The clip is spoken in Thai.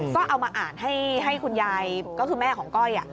ก็เอามาอ่านให้คุณยายก็คือแม่ของก้อย